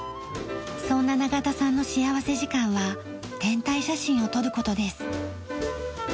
そんな永田さんの幸福時間は天体写真を撮る事です。